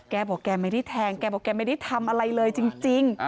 แกบอกแกไม่ได้แทงแกบอกแกไม่ได้ทำอะไรเลยจริง